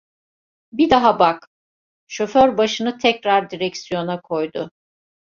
Bir daha bak! Şoför başını tekrar direksiyona koydu.